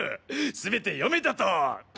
すべて読めたと。